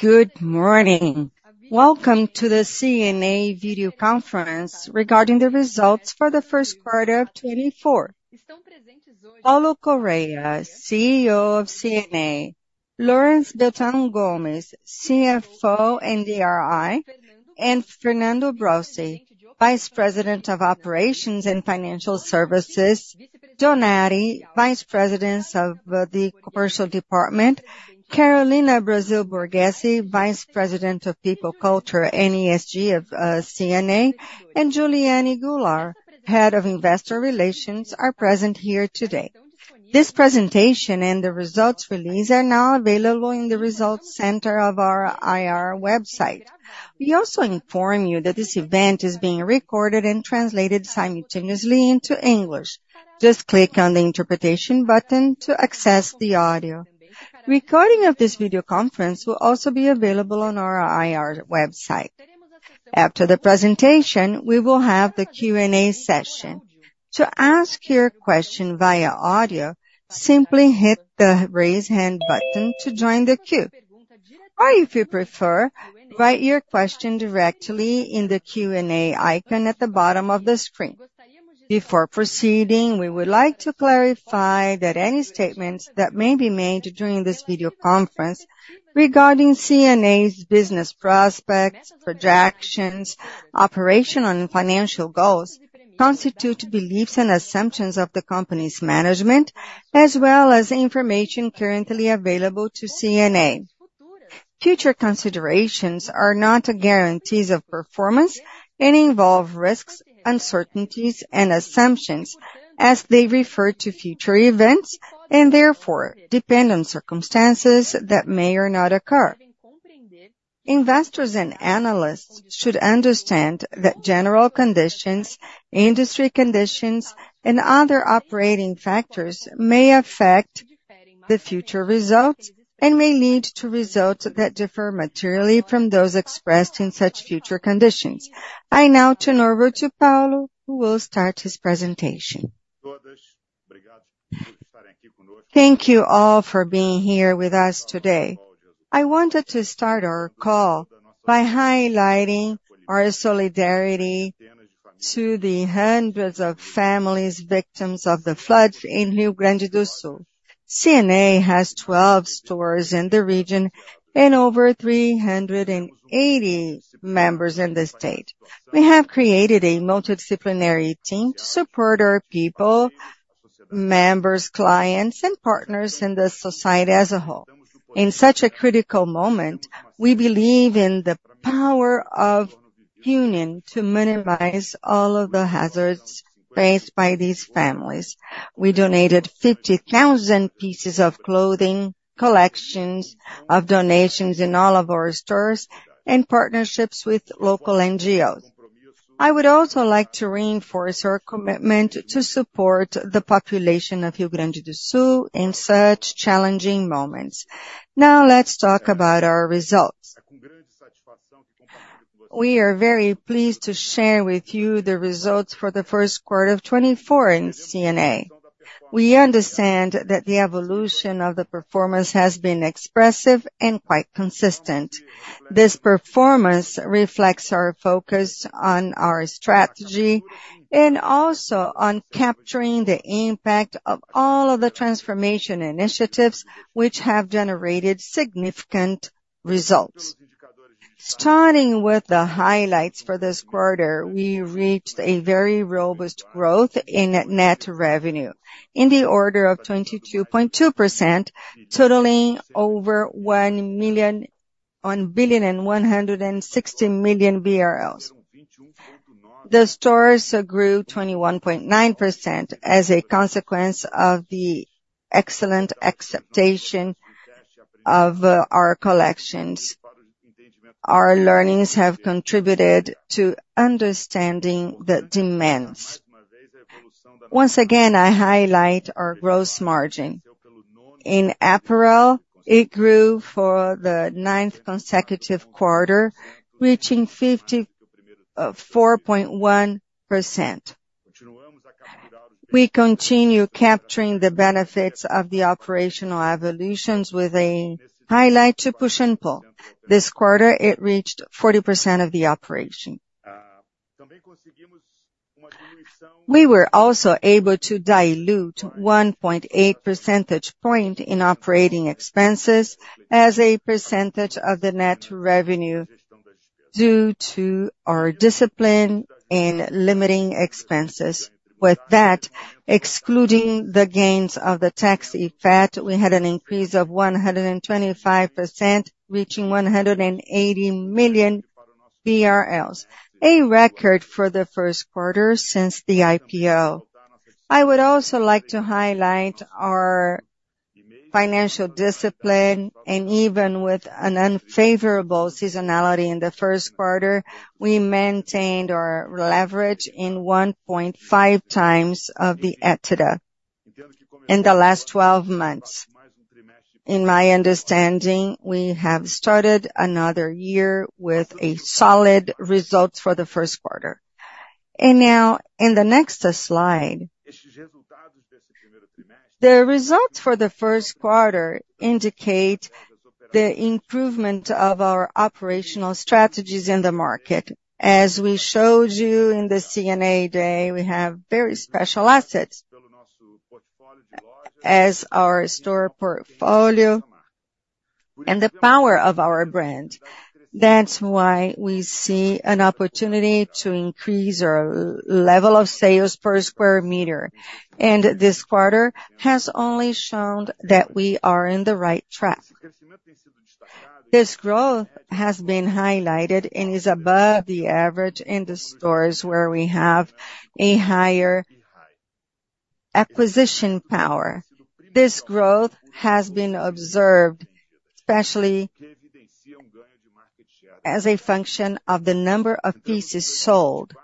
Good morning. Welcome to the C&A video conference regarding the results for the Q1 of 2024. Paulo Correa, CEO of C&A, Laurence Beltrão Gomes, CFO and DRI, and Fernando Garcia Brossi, Vice President of Operations and Financial Services, Francislei Cassio Donatti, Vice President of the Commercial Department, Maria Carolina Brasil Borghesi, Vice President of People, Culture, and ESG of C&A, and Giulliane Goulart, Head of Investor Relations, are present here today. This presentation and the results release are now available in the Results Center of our IR website. We also inform you that this event is being recorded and translated simultaneously into English, just click on the interpretation button to access the audio. Recording of this video conference will also be available on our IR website. After the presentation, we will have the Q&A session. To ask your question via audio, simply hit the raise hand button to join the queue, or if you prefer, write your question directly in the Q&A icon at the bottom of the screen. Before proceeding, we would like to clarify that any statements that may be made during this video conference regarding C&A's business prospects, projections, operational and financial goals constitute beliefs and assumptions of the company's management, as well as information currently available to C&A. Future considerations are not guarantees of performance and involve risks, uncertainties, and assumptions as they refer to future events and, therefore, depend on circumstances that may or not occur. Investors and analysts should understand that general conditions, industry conditions, and other operating factors may affect the future results and may lead to results that differ materially from those expressed in such future conditions. I now turn over to Paulo, who will start his presentation. Thank you all for being here with us today. I wanted to start our call by highlighting our solidarity to the hundreds of families victims of the floods in Rio Grande do Sul. C&A has 12 stores in the region and over 380 members in the state. We have created a multidisciplinary team to support our people, members, clients, and partners in the society as a whole. In such a critical moment, we believe in the power of union to minimize all of the hazards faced by these families. We donated 50,000 pieces of clothing, collections of donations in all of our stores, and partnerships with local NGOs. I would also like to reinforce our commitment to support the population of Rio Grande do Sul in such challenging moments. Now let's talk about our results. We are very pleased to share with you the results for the Q1 of 2024 in C&A. We understand that the evolution of the performance has been expressive and quite consistent. This performance reflects our focus on our strategy and also on capturing the impact of all of the transformation initiatives which have generated significant results. Starting with the highlights for this quarter, we reached a very robust growth in net revenue, in the order of 22.2%, totaling over 1,160,000,000 BRL. The stores grew 21.9% as a consequence of the excellent acceptance of our collections. Our learnings have contributed to understanding the demands. Once again, I highlight our gross margin. In apparel, it grew for the ninth consecutive quarter, reaching 54.1%. We continue capturing the benefits of the operational evolutions with a highlight to push and pull. This quarter, it reached 40% of the operation. We were also able to dilute 1.8 percentage points in operating expenses as a percentage of the net revenue due to our discipline in limiting expenses. With that, excluding the gains of the tax effect, we had an increase of 125%, reaching 180,000,000 BRL, a record for the Q1 since the IPO. I would also like to highlight our financial discipline, and even with an unfavorable seasonality in the Q1, we maintained our leverage in 1.5x the EBITDA in the last 12 months. In my understanding, we have started another year with solid results for the Q1. Now, in the next slide, the results for the Q1 indicate the improvement of our operational strategies in the market. As we showed you in the C&A Day, we have very special assets as our store portfolio and the power of our brand. That's why we see an opportunity to increase our level of sales per square meter, and this quarter has only shown that we are in the right track. This growth has been highlighted and is above the average in the stores where we have a higher acquisition power. This growth has been observed, especially as a function of the number of pieces sold.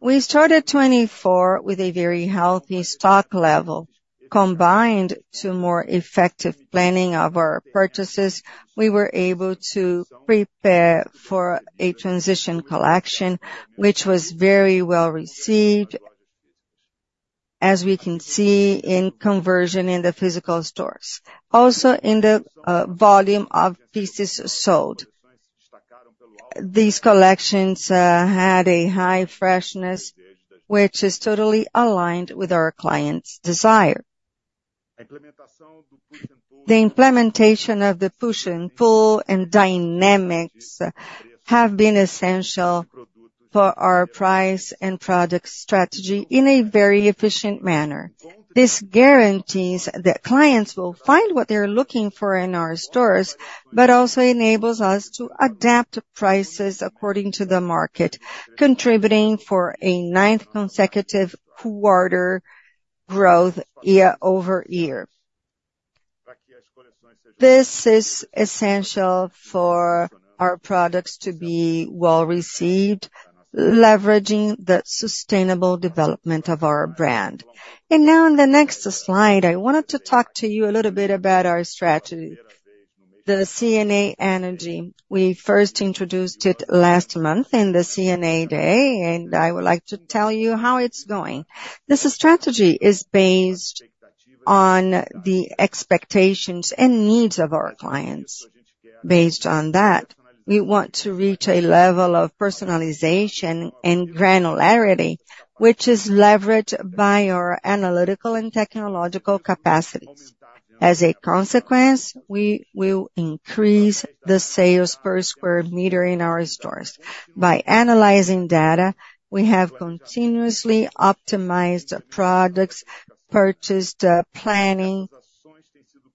We started 2024 with a very healthy stock level. Combined to more effective planning of our purchases, we were able to prepare for a transition collection, which was very well received, as we can see, in conversion in the physical stores, also in the volume of pieces sold. These collections had a high freshness, which is totally aligned with our clients' desire. The implementation of the push and pull and dynamics have been essential for our price and product strategy in a very efficient manner. This guarantees that clients will find what they're looking for in our stores, but also enables us to adapt prices according to the market, contributing for a ninth consecutive quarter growth year-over-year. This is essential for our products to be well received, leveraging the sustainable development of our brand. And now, in the next slide, I wanted to talk to you a little bit about our strategy, the C&A & VC. We first introduced it last month in the C&A day, and I would like to tell you how it's going. This strategy is based on the expectations and needs of our clients. Based on that, we want to reach a level of personalization and granularity, which is leveraged by our analytical and technological capacities. As a consequence, we will increase the sales per square meter in our stores. By analyzing data, we have continuously optimized products, purchase planning,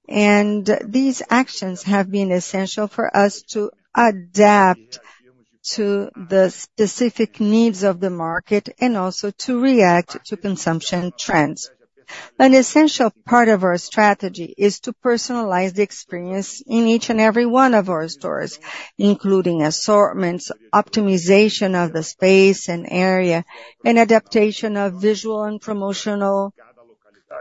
and these actions have been essential for us to adapt to the specific needs of the market and also to react to consumption trends. An essential part of our strategy is to personalize the experience in each and every one of our stores, including assortments, optimization of the space and area, and adaptation of visual and promotional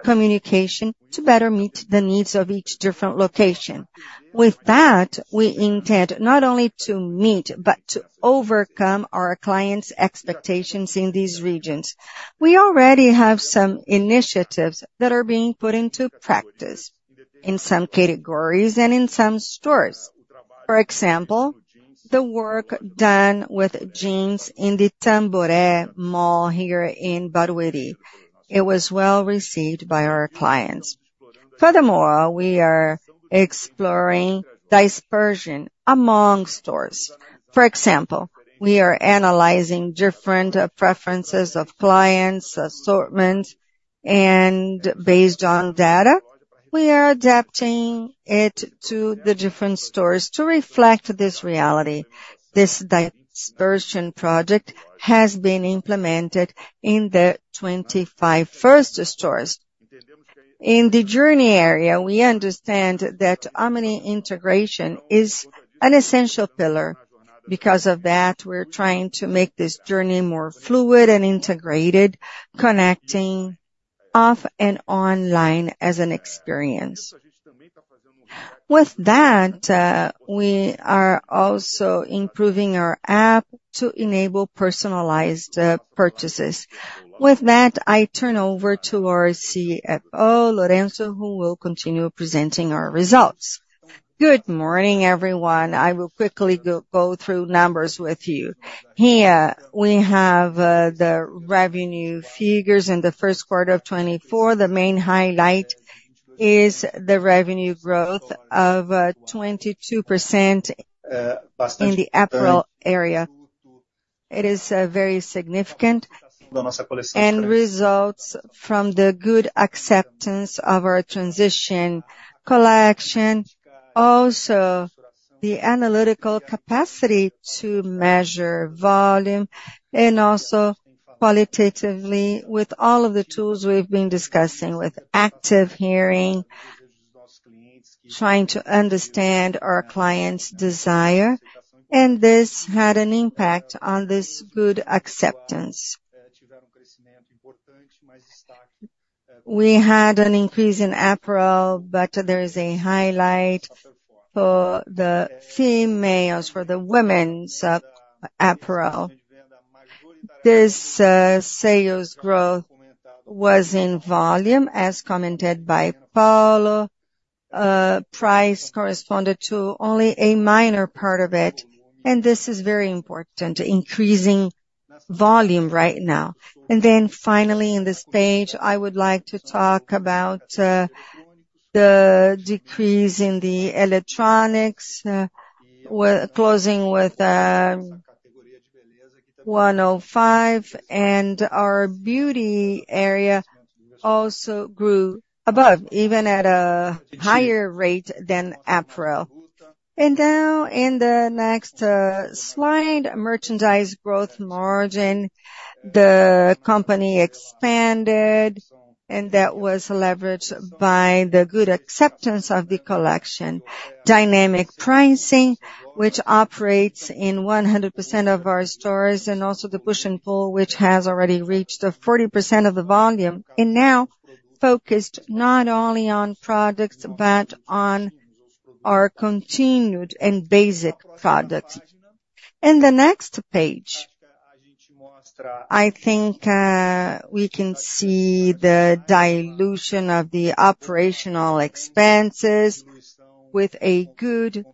communication to better meet the needs of each different location. With that, we intend not only to meet but to overcome our clients' expectations in these regions. We already have some initiatives that are being put into practice in some categories and in some stores. For example, the work done with jeans in the Tamboré Mall here in Barueri. It was well received by our clients. Furthermore, we are exploring dispersion among stores. For example, we are analyzing different preferences of clients, assortments, and based on data, we are adapting it to the different stores to reflect this reality. This dispersion project has been implemented in the 25 first stores. In the journey area, we understand that omni-integration is an essential pillar. Because of that, we're trying to make this journey more fluid and integrated, connecting offline and online as an experience. With that, we are also improving our app to enable personalized purchases. With that, I turn over to our CFO, Laurece, who will continue presenting our results. Good morning, everyone. I will quickly go through numbers with you. Here, we have the revenue figures in the Q1 of 2024. The main highlight is the revenue growth of 22% in the apparel area. It is very significant and results from the good acceptance of our transition collection, also the analytical capacity to measure volume and also qualitatively, with all of the tools we've been discussing, with active hearing, trying to understand our clients' desire, and this had an impact on this good acceptance. We had an increase in April, but there is a highlight for the females, for the women's April. This sales growth was in volume, as commented by Paulo. Price corresponded to only a minor part of it, and this is very important, increasing volume right now. And then finally, in this page, I would like to talk about the decrease in the electronics, closing with 105, and our beauty area also grew above, even at a higher rate than April. And now, in the next slide, merchandise growth margin. The company expanded, and that was leveraged by the good acceptance of the collection, dynamic pricing, which operates in 100% of our stores, and also the push and pull, which has already reached 40% of the volume, and now focused not only on products but on our continued and basic products. In the next page, I think we can see the dilution of the operational expenses with a good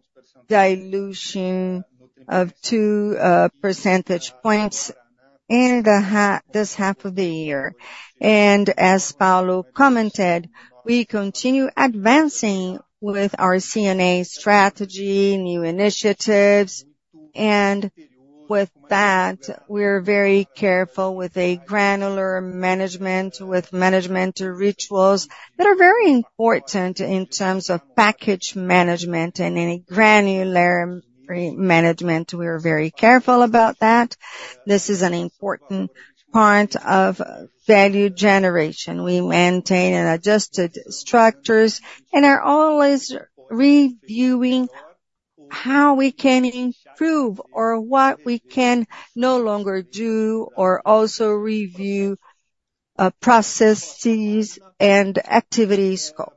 dilution of 2 percentage points in this half of the year. As Paulo commented, we continue advancing with our C&A strategy, new initiatives, and with that, we're very careful with a granular management, with management rituals that are very important in terms of package management. In any granular management, we are very careful about that. This is an important part of value generation. We maintain and adjusted structures and are always reviewing how we can improve or what we can no longer do, or also review processes and activity scope.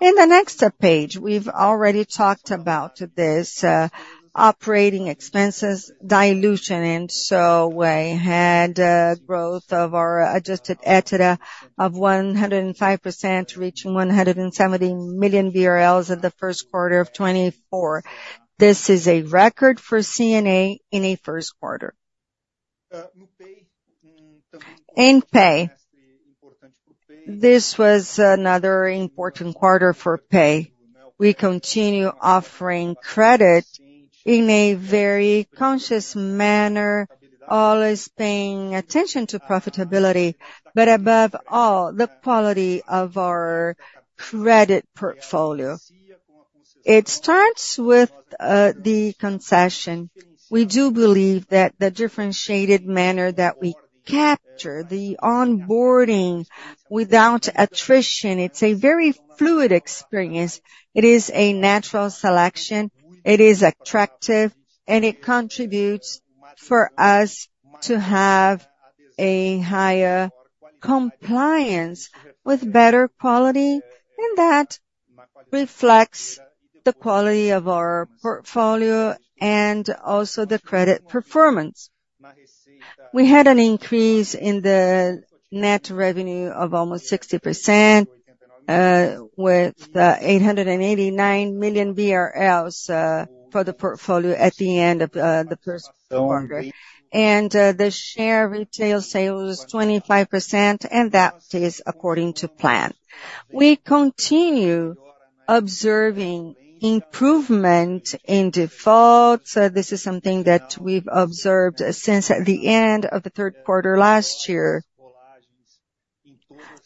In the next page, we've already talked about this operating expenses dilution, and so we had growth of our adjusted EBITDA of 105%, reaching 170,000,000 BRL in the Q1 of 2024. This is a record for C&A in a Q1. In C&A Pay. This was another important quarter for C&A Pay. We continue offering credit in a very conscious manner, always paying attention to profitability, but above all, the quality of our credit portfolio. It starts with the concession. We do believe that the differentiated manner that we capture the onboarding without attrition, it's a very fluid experience. It is a natural selection. It is attractive, and it contributes for us to have a higher compliance with better quality, and that reflects the quality of our portfolio and also the credit performance. We had an increase in the net revenue of almost 60% with 889,000,000 BRL for the portfolio at the end of the Q1, and the share retail sales was 25%, and that is according to plan. We continue observing improvement in defaults. This is something that we've observed since the end of the Q3 last year.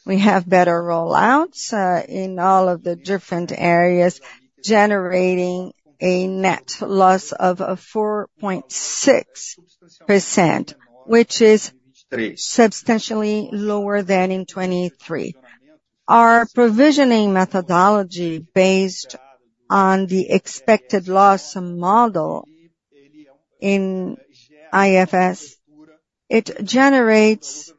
We have better rollouts in all of the different areas, generating a net loss of 4.6%, which is substantially lower than in 2023. Our provisioning methodology based on the expected loss model in IFRS, it generates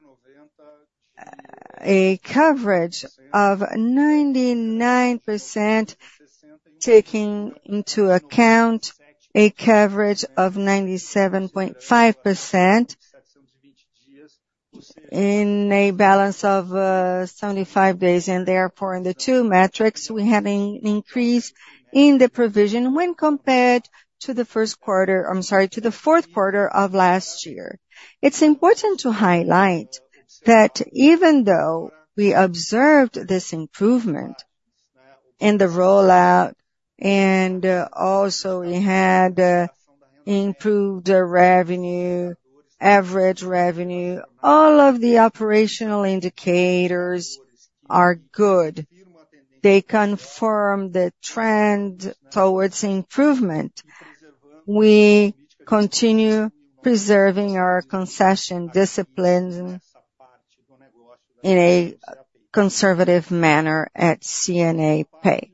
a coverage of 99%, taking into account a coverage of 97.5% in a balance of 75 days, and therefore, in the two metrics, we had an increase in the provision when compared to the Q1. I'm sorry, to the Q4 of last year. It's important to highlight that even though we observed this improvement in the rollout, and also we had improved revenue, average revenue, all of the operational indicators are good. They confirm the trend towards improvement. We continue preserving our concession discipline in a conservative manner at C&A Pay.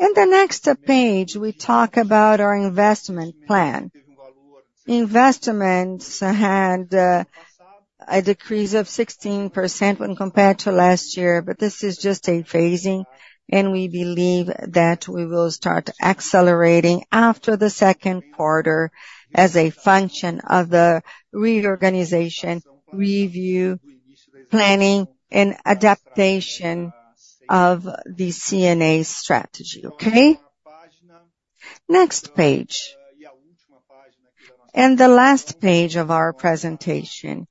In the next page, we talk about our investment plan. Investments had a decrease of 16% when compared to last year, but this is just a phasing, and we believe that we will start accelerating after the Q2 as a function of the reorganization, review, planning, and adaptation of the C&A strategy, okay? Next page. The last page of our presentation,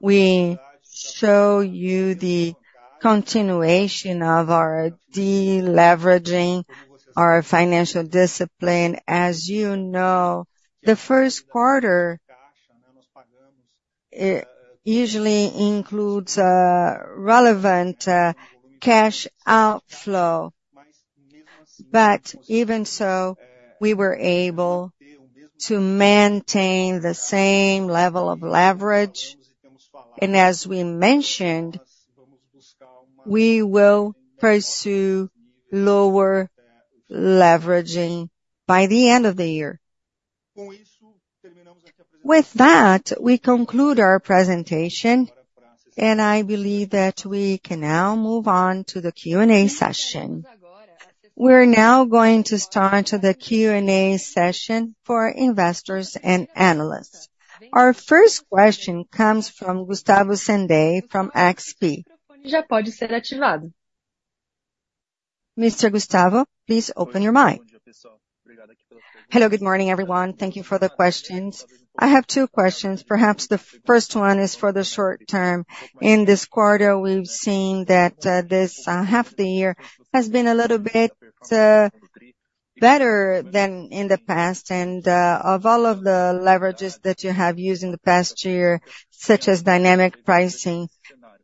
we show you the continuation of our deleveraging, our financial discipline. As you know, the Q1 usually includes relevant cash outflow, but even so, we were able to maintain the same level of leverage, and as we mentioned, we will pursue lower leveraging by the end of the year. With that, we conclude our presentation, and I believe that we can now move on to the Q&A session. We're now going to start the Q&A session for investors and analysts. Our first question comes from Gustavo Senday from XP. Mr. Gustavo, please open your mic. Hello, good morning, everyone. Thank you for the questions. I have two questions. Perhaps the first one is for the short term. In this quarter, we've seen that this half of the year has been a little bit better than in the past, and of all of the leverages that you have used in the past year, such as Dynamic Pricing,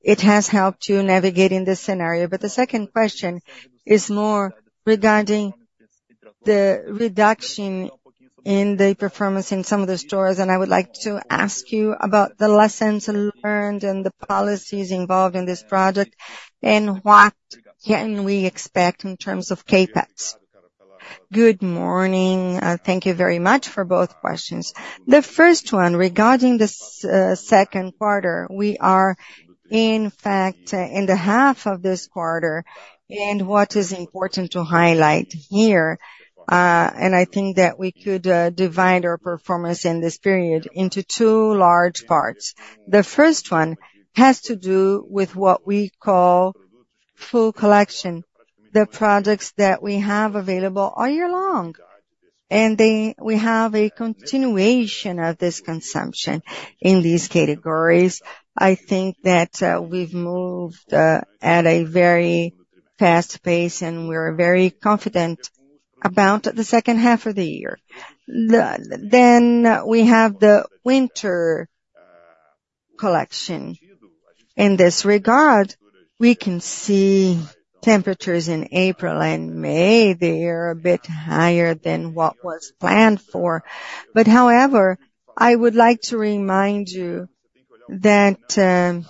it has helped you navigate in this scenario. But the second question is more regarding the reduction in the performance in some of the stores, and I would like to ask you about the lessons learned and the policies involved in this project and what can we expect in terms of CapEx. Good morning. Thank you very much for both questions. The first one, regarding the Q2, we are, in fact, in the half of this quarter, and what is important to highlight here, and I think that we could divide our performance in this period into two large parts. The first one has to do with what we call full collection, the products that we have available all year long, and we have a continuation of this consumption in these categories. I think that we've moved at a very fast pace, and we're very confident about the second half of the year. Then we have the winter collection. In this regard, we can see temperatures in April and May. They are a bit higher than what was planned for. But however, I would like to remind you that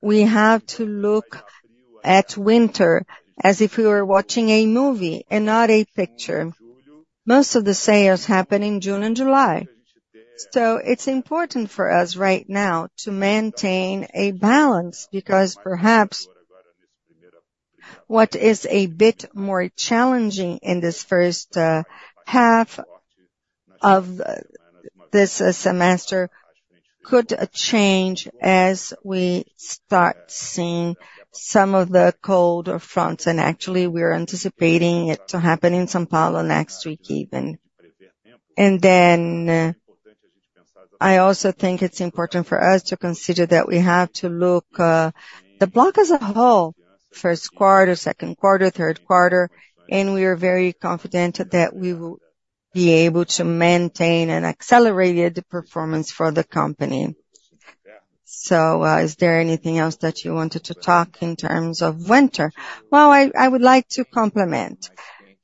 we have to look at winter as if we were watching a movie and not a picture. Most of the sales happen in June and July, so it's important for us right now to maintain a balance because perhaps what is a bit more challenging in this first half of this semester could change as we start seeing some of the cold fronts, and actually, we're anticipating it to happen in São Paulo next week even. And then I also think it's important for us to consider that we have to look at the block as a whole, Q1, Q2, Q3, and we are very confident that we will be able to maintain and accelerate the performance for the company. So is there anything else that you wanted to talk in terms of winter? Well, I would like to complement.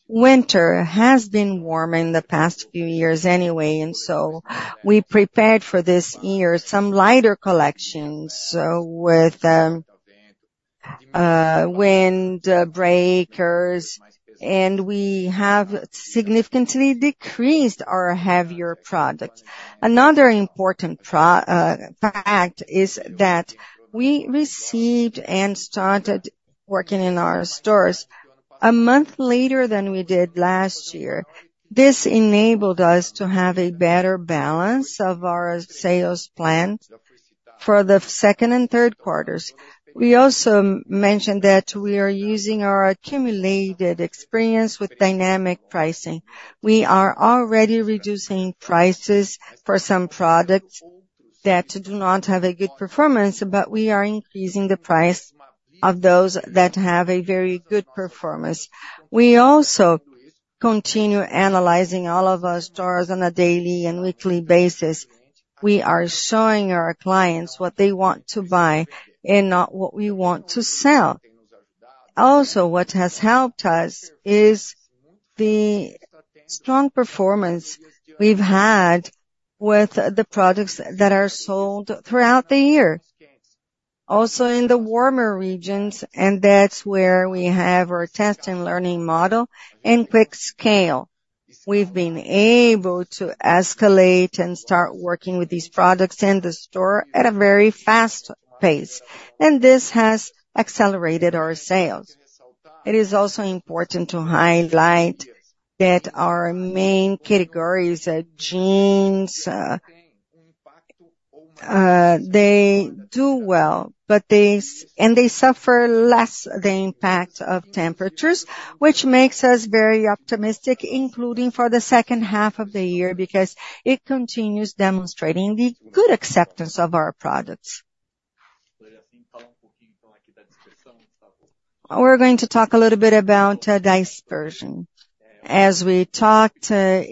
Winter has been warmer in the past few years anyway, and so we prepared for this year some lighter collections with windbreakers, and we have significantly decreased our heavier products. Another important fact is that we received and started working in our stores a month later than we did last year. This enabled us to have a better balance of our sales plan for the second and Q3s. We also mentioned that we are using our accumulated experience with dynamic pricing. We are already reducing prices for some products that do not have a good performance, but we are increasing the price of those that have a very good performance. We also continue analyzing all of our stores on a daily and weekly basis. We are showing our clients what they want to buy and not what we want to sell. Also, what has helped us is the strong performance we've had with the products that are sold throughout the year, also in the warmer regions, and that's where we have our test and learning model in quick scale. We've been able to escalate and start working with these products in the store at a very fast pace, and this has accelerated our sales. It is also important to highlight that our main categories, Jeans, do well, and they suffer less the impact of temperatures, which makes us very optimistic, including for the second half of the year because it continues demonstrating the good acceptance of our products. We're going to talk a little bit about dispersion. As we talked about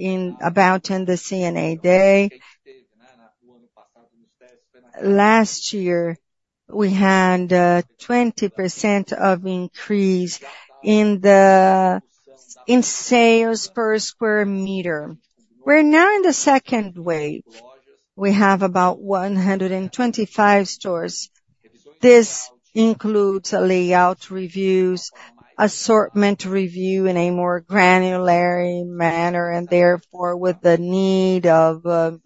in the C&A Day, last year, we had a 20% increase in sales per square meter. We're now in the second wave. We have about 125 stores. This includes layout reviews, assortment review in a more granular manner, and therefore, with the need of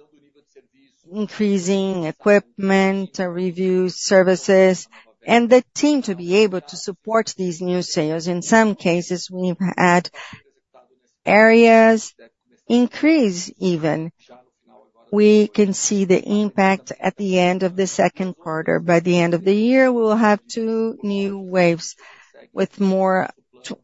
increasing equipment review services and the team to be able to support these new sales. In some cases, we've had areas increase even. We can see the impact at the end of the Q2. By the end of the year, we will have two new waves with more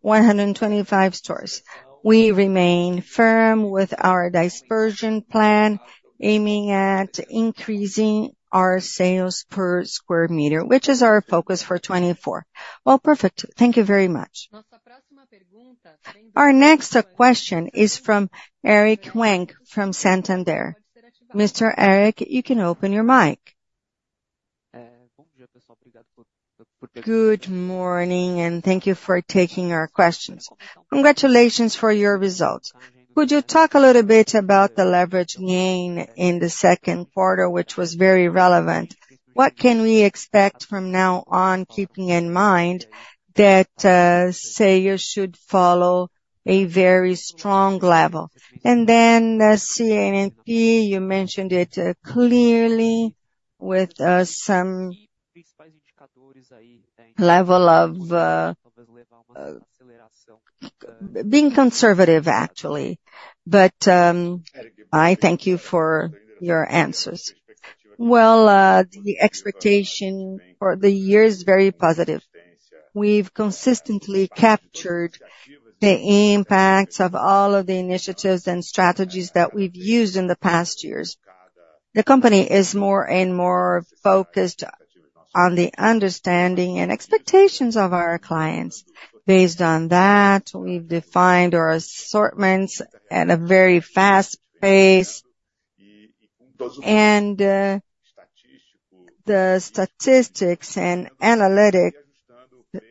125 stores. We remain firm with our dispersion plan aiming at increasing our sales per square meter, which is our focus for 2024. Well, perfect. Thank you very much. Our next question is from Eric Huang from Santander. Mr. Eric, you can open your mic. Good morning, and thank you for taking our questions. Congratulations for your results. Could you talk a little bit about the leverage gain in the Q2, which was very relevant? What can we expect from now on, keeping in mind that sales should follow a very strong level? And then C&A Pay, you mentioned it clearly with some level of being conservative, actually, but I thank you for your answers. Well, the expectation for the year is very positive. We've consistently captured the impacts of all of the initiatives and strategies that we've used in the past years. The company is more and more focused on the understanding and expectations of our clients. Based on that, we've defined our assortments at a very fast pace, and the statistics and analytics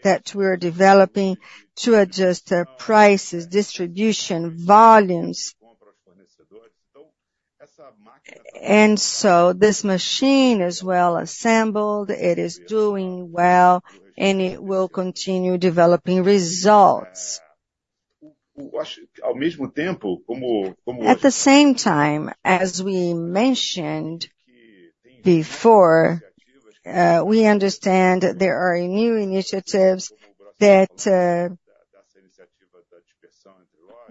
that we're developing to adjust prices, distribution, volumes. And so this machine is well assembled. It is doing well, and it will continue developing results. At the same time, as we mentioned before, we understand there are new initiatives that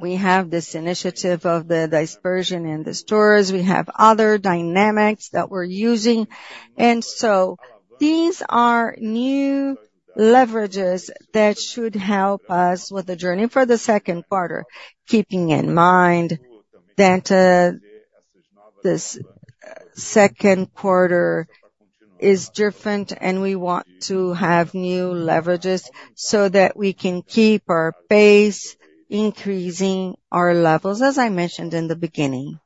we have this initiative of the dispersion in the stores. We have other dynamics that we're using, and so these are new leverages that should help us with the journey for the Q2, keeping in mind that this Q2 is different, and we want to have new leverages so that we can keep our pace, increasing our levels, as I mentioned in the beginning.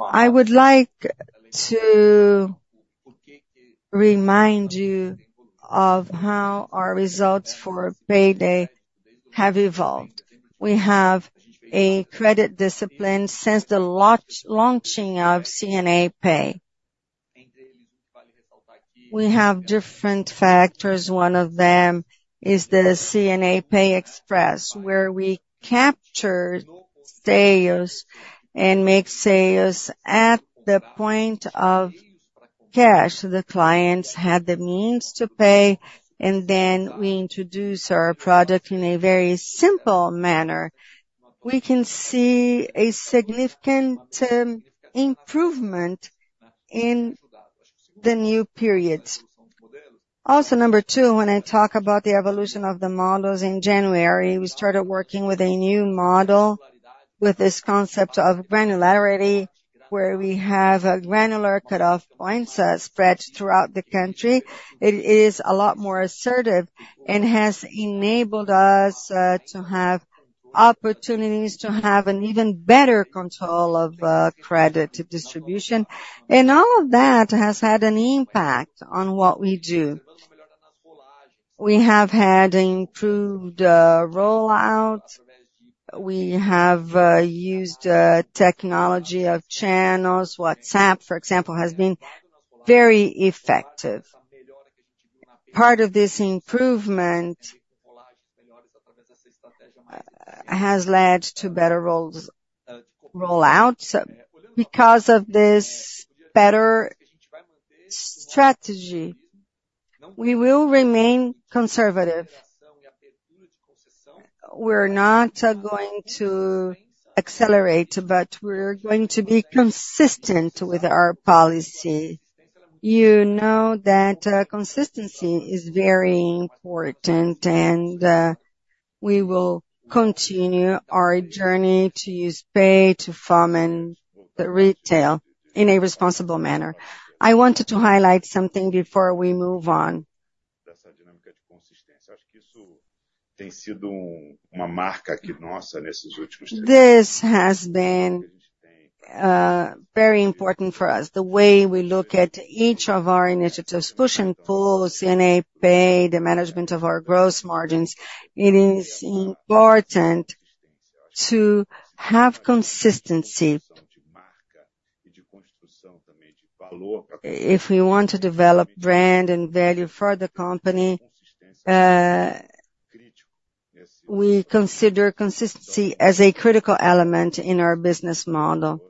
I would like to remind you of how our results for Pay Day have evolved. We have a credit discipline since the launching of C&A Pay. We have different factors. One of them is the C&A Pay Express, where we capture sales and make sales at the point of cash. The clients had the means to pay, and then we introduce our product in a very simple manner. We can see a significant improvement in the new periods. Also, number two, when I talk about the evolution of the models in January, we started working with a new model with this concept of granularity, where we have a granular cutoff points spread throughout the country. It is a lot more assertive and has enabled us to have opportunities to have an even better control of credit distribution, and all of that has had an impact on what we do. We have had improved rollout. We have used technology of channels. WhatsApp, for example, has been very effective. Part of this improvement has led to better rollouts. Because of this better strategy, we will remain conservative. We're not going to accelerate, but we're going to be consistent with our policy. You know that consistency is very important, and we will continue our journey to use C&A Pay to farm and retail in a responsible manner. I wanted to highlight something before we move on. Acho que isso tem sido uma marca aqui nossa nesses últimos três anos. This has been very important for us, the way we look at each of our initiatives, push and pull, C&A Pay, the management of our gross margins. It is important to have consistency. If we want to develop brand and value for the company, we consider consistency as a critical element in our business model.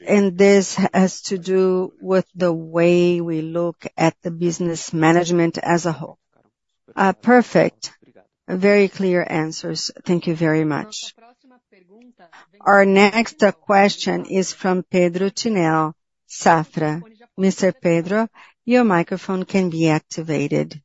This has to do with the way we look at the business management as a whole. Perfect. Very clear answers. Thank you very much. Our next question is from Pedro Tinel, Safra. Mr. Pedro, your microphone can be activated.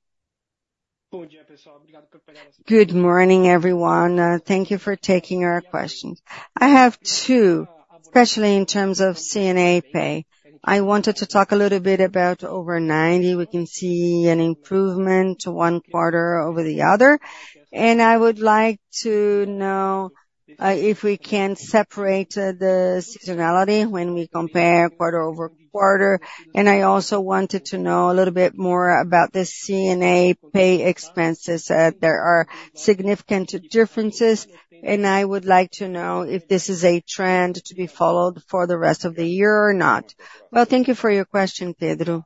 Good morning, everyone. Thank you for taking our questions. I have two, especially in terms of C&A Pay. I wanted to talk a little bit about over 90. We can see an improvement one quarter over the other, and I would like to know if we can separate the seasonality when we compare quarter-over-quarter. I also wanted to know a little bit more about the C&A Pay expenses. There are significant differences, and I would like to know if this is a trend to be followed for the rest of the year or not. Well, thank you for your question, Pedro.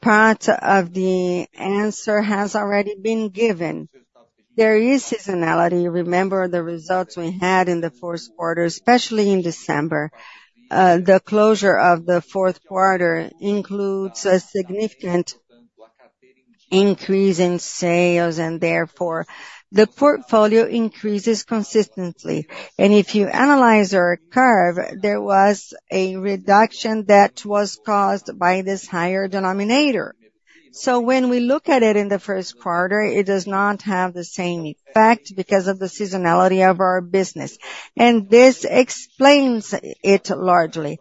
Part of the answer has already been given. There is seasonality. Remember the results we had in the Q4, especially in December. The closure of the Q4 includes a significant increase in sales, and therefore, the portfolio increases consistently. And if you analyze our curve, there was a reduction that was caused by this higher denominator. So when we look at it in the Q1, it does not have the same effect because of the seasonality of our business, and this explains it largely.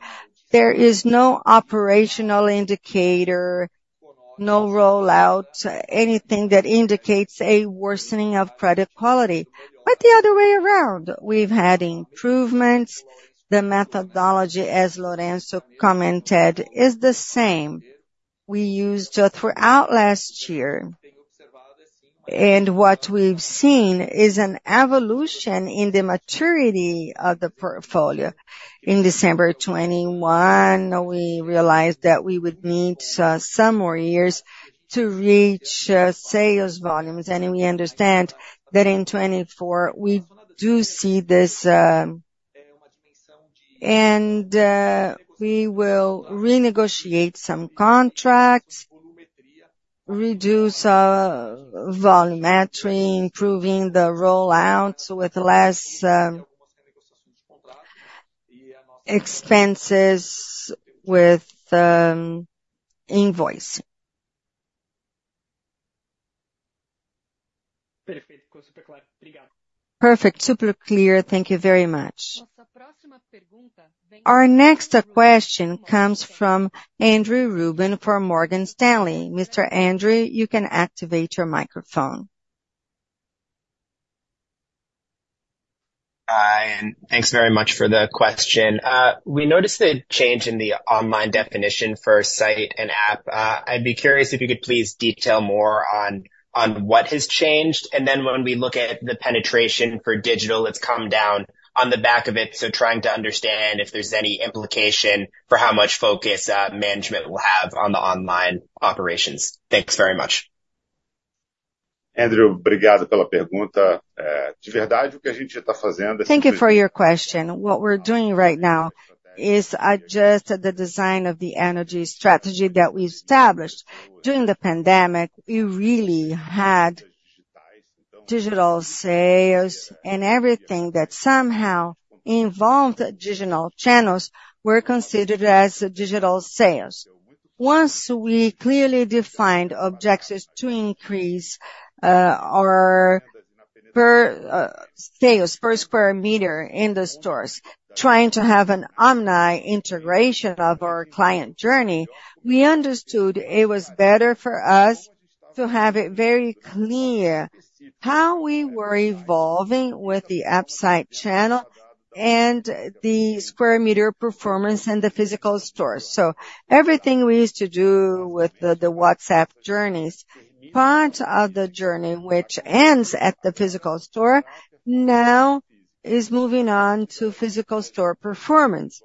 There is no operational indicator, no rollout, anything that indicates a worsening of credit quality. But the other way around, we've had improvements. The methodology, as Lorenzo commented, is the same we used throughout last year, and what we've seen is an evolution in the maturity of the portfolio. In December 2021, we realized that we would need some more years to reach sales volumes, and we understand that in 2024 we do see this, and we will renegotiate some contracts, reduce volumetry, improving the rollouts with less expenses with invoicing. Perfect. Super clear. Thank you very much. Our next question comes from Andrew Ruben for Morgan Stanley. Mr. Andrew, you can activate your microphone. Thanks very much for the question. We noticed a change in the online definition for site and app. I'd be curious if you could please detail more on what has changed, and then when we look at the penetration for digital, it's come down on the back of it, so trying to understand if there's any implication for how much focus management will have on the online operations. Thanks very much. Andrew, obrigado pela pergunta. De verdade, o que a gente está fazendo é. Thank you for your question. What we're doing right now is adjust the design of the energy strategy that we established. During the pandemic, we really had digital sales, and everything that somehow involved digital channels were considered as digital sales. Once we clearly defined objectives to increase our sales per square meter in the stores, trying to have an omni-integration of our client journey, we understood it was better for us to have it very clear how we were evolving with the omni channel and the square meter performance in the physical stores. So everything we used to do with the WhatsApp journeys, part of the journey which ends at the physical store now is moving on to physical store performance.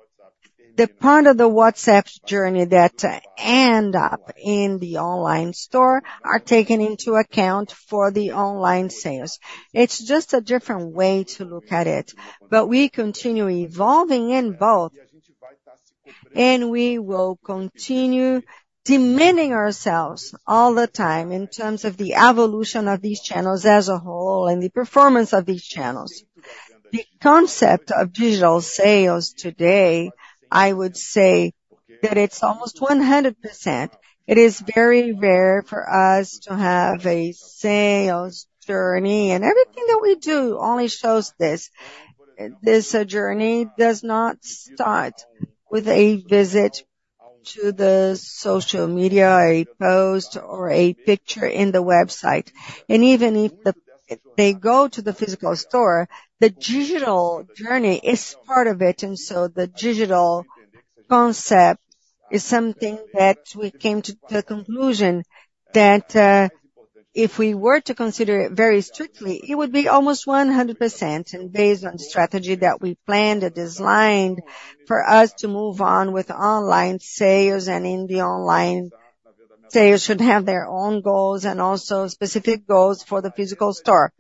The part of the WhatsApp journey that ends up in the online store is taken into account for the online sales. It's just a different way to look at it, but we continue evolving in both, and we will continue demanding ourselves all the time in terms of the evolution of these channels as a whole and the performance of these channels. The concept of digital sales today, I would say that it's almost 100%. It is very rare for us to have a sales journey, and everything that we do only shows this. This journey does not start with a visit to the social media, a post, or a picture in the website. And even if they go to the physical store, the digital journey is part of it, and so the digital concept is something that we came to the conclusion that if we were to consider it very strictly, it would be almost 100%, and based on the strategy that we planned, designed for us to move on with online sales, and in the online sales, we should have their own goals and also specific goals for the physical store.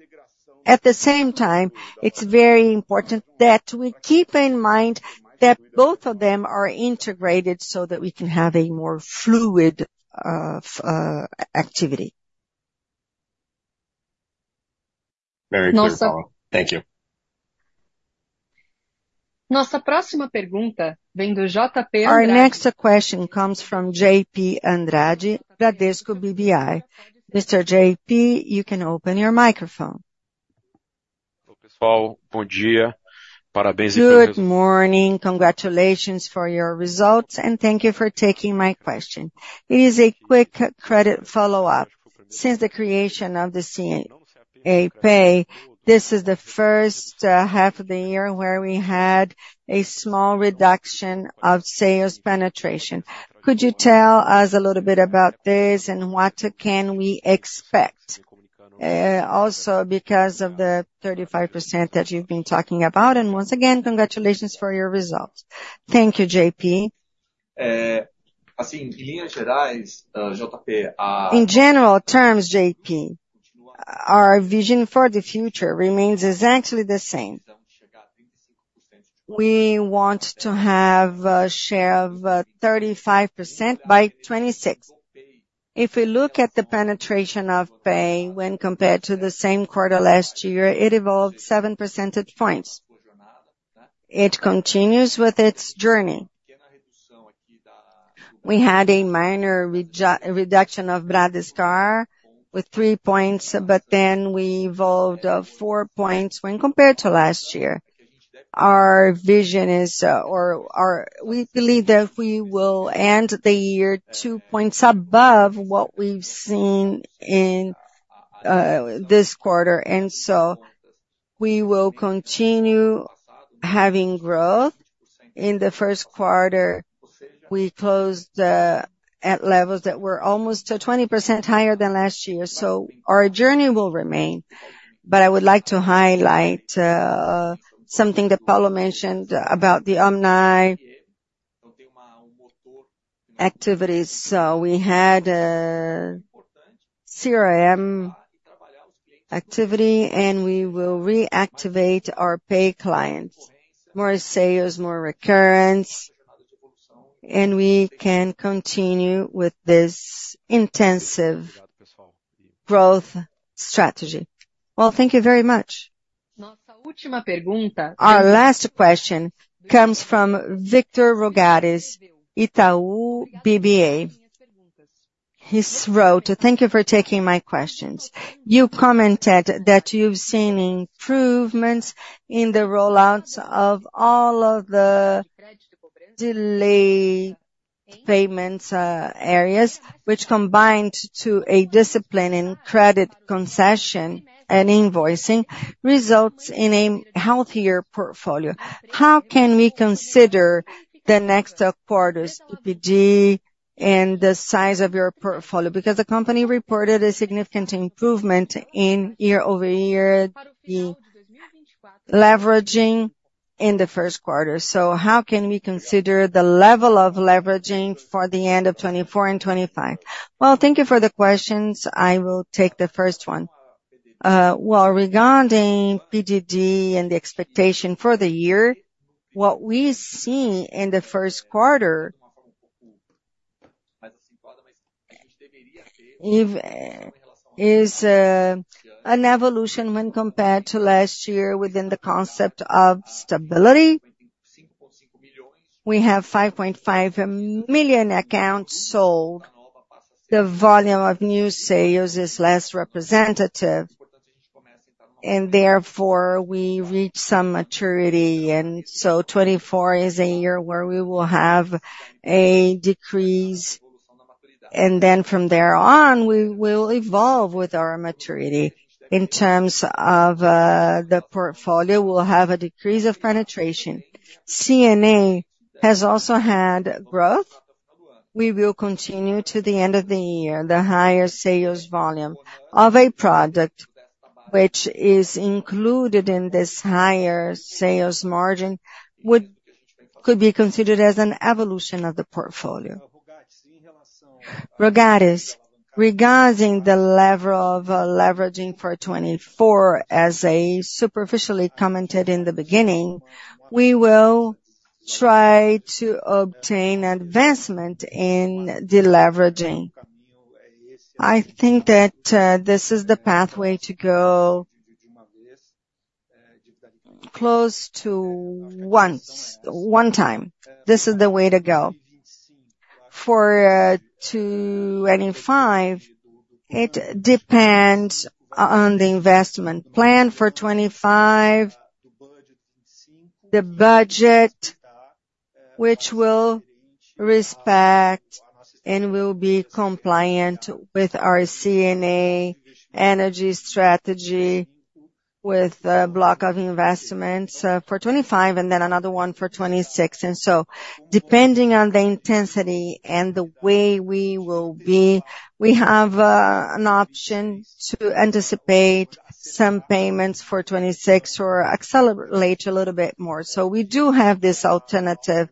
At the same time, it's very important that we keep in mind that both of them are integrated so that we can have a more fluid activity. Very clear at all. Thank you. Nossa próxima pergunta vem do JP Andrade. Our next question comes from JP Andrade, Bradesco BBI. Mr. JP, you can open your microphone. Bom dia. Parabéns a todos. Good morning. Congratulations for your results, and thank you for taking my question. It is a quick credit follow-up. Since the creation of the C&A Pay, this is the first half of the year where we had a small reduction of sales penetration. Could you tell us a little bit about this and what can we expect, also because of the 35% that you've been talking about? And once again, congratulations for your results. Thank you, JP. In general terms, JP, our vision for the future remains exactly the same. We want to have a share of 35% by 2026. If we look at the penetration of C&A Pay when compared to the same quarter last year, it evolved 7 percentage points. It continues with its journey. We had a minor reduction of Bradescard with 3 points, but then we evolved 4 points when compared to last year. Our vision is, or we believe that we will end the year 2 points above what we've seen in this quarter, and so we will continue having growth. In the Q1, we closed at levels that were almost 20% higher than last year, so our journey will remain. But I would like to highlight something that Paulo mentioned about the omni-activities. So we had CRM activity, and we will reactivate our C&A Pay clients, more sales, more recurrence, and we can continue with this intensive growth strategy. Well, thank you very much. Our last question comes from Victor Rogatis, Itaú BBA. He wrote, "Thank you for taking my questions. You commented that you've seen improvements in the rollouts of all of the delay payments areas, which combined to a discipline in credit concession and invoicing results in a healthier portfolio. How can we consider the next quarters PDD and the size of your portfolio? Because the company reported a significant improvement in year-over-year leverage in the Q1. So how can we consider the level of leverage for the end of 2024 and 2025?" Well, thank you for the questions. I will take the first one. Well, regarding PDD and the expectation for the year, what we see in the Q1 is an evolution when compared to last year within the concept of stability. We have 5.5 million accounts sold. The volume of new sales is less representative, and therefore, we reach some maturity. And so 2024 is a year where we will have a decrease, and then from there on, we will evolve with our maturity. In terms of the portfolio, we'll have a decrease of penetration. C&A has also had growth. We will continue to the end of the year. The higher sales volume of a product which is included in this higher sales margin could be considered as an evolution of the portfolio. Rogatis, regarding the level of leveraging for 2024, as I superficially commented in the beginning, we will try to obtain advancement in the leveraging. I think that this is the pathway to go close to one time. This is the way to go. For 2025, it depends on the investment plan for 2025, the budget which will respect and will be compliant with our C&A Energy strategy with a block of investments for 2025 and then another one for 2026. And so depending on the intensity and the way we will be, we have an option to anticipate some payments for 2026 or accelerate a little bit more. So we do have this alternative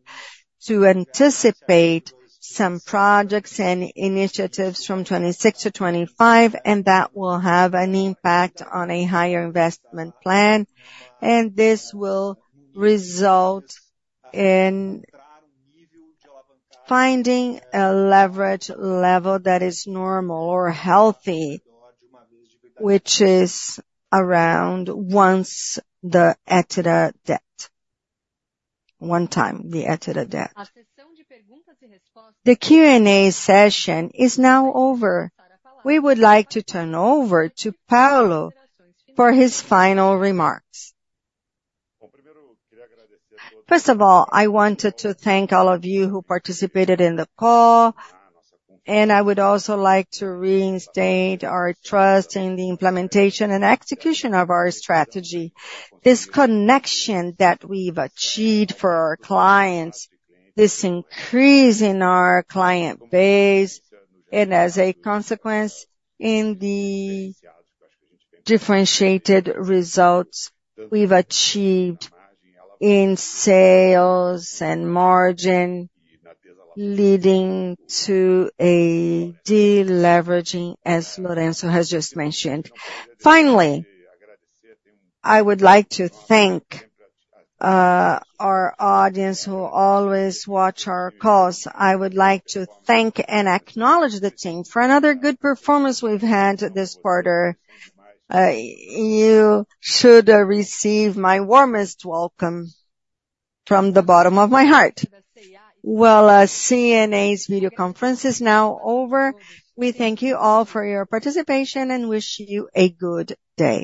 to anticipate some projects and initiatives from 2026 to 2025, and that will have an impact on a higher investment plan, and this will result in finding a leverage level that is normal or healthy, which is around once the EBITDA debt, one time, the EBITDA debt. The Q&A session is now over. We would like to turn over to Paulo for his final remarks. Primeiro, eu queria agradecer a todos. First of all, I wanted to thank all of you who participated in the call, and I would also like to reinstate our trust in the implementation and execution of our strategy. This connection that we've achieved for our clients, this increase in our client base, and as a consequence, in the differentiated results we've achieved in sales and margin, leading to a deleveraging, as Lorenzo has just mentioned. Finally, I would like to thank our audience who always watch our calls. I would like to thank and acknowledge the team for another good performance we've had this quarter. You should receive my warmest welcome from the bottom of my heart. Well, C&A's video conference is now over. We thank you all for your participation and wish you a good day.